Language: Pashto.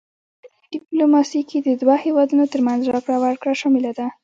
پدې ډیپلوماسي کې د دوه هیوادونو ترمنځ راکړه ورکړه شامله ده